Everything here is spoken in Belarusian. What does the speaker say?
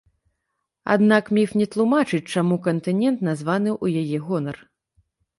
Аднак, міф не тлумачыць, чаму кантынент названы ў яе гонар.